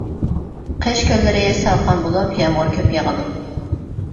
قىش كۈنلىرى سالقىن بولۇپ يامغۇر كۆپ ياغىدۇ.